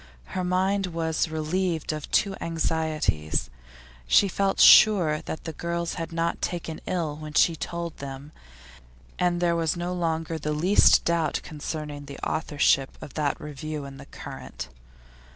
Her mind was relieved of two anxieties; she felt sure that the girls had not taken ill what she told them, and there was no longer the least doubt concerning the authorship of that review in The Current.